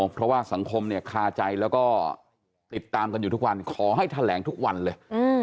เพราะว่าสังคมเนี่ยคาใจแล้วก็ติดตามกันอยู่ทุกวันขอให้แถลงทุกวันเลย